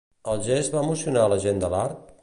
El gest va emocionar la gent de l'art?